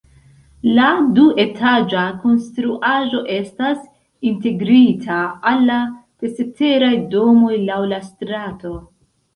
La duetaĝa konstruaĵo estas integrita al la ceteraj domoj laŭ la strato.